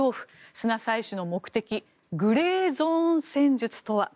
砂採取の目的グレーゾーン戦術とは。